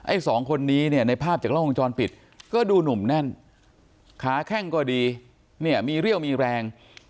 สองคนนี้เนี่ยในภาพจากล้องวงจรปิดก็ดูหนุ่มแน่นขาแข้งก็ดีเนี่ยมีเรี่ยวมีแรง